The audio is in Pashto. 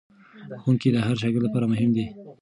ښوونکی د هر شاګرد لپاره مهم دی.